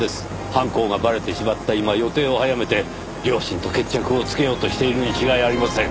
犯行がバレてしまった今予定を早めて両親と決着をつけようとしているに違いありません。